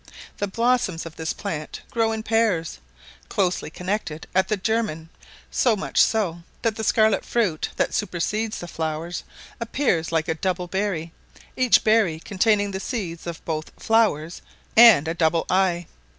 The blossoms of this plant grow in pairs, closely connected at the germen, so much so, that the scarlet fruit that supersedes the flowers appears like a double berry, each berry containing the seeds of both flowers and a double eye.